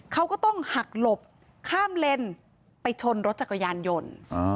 เขาก็ต้องหักหลบข้ามเลนไปชนรถจักรยานยนต์